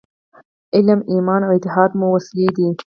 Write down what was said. علم، ایمان او اتحاد مو وسلې دي.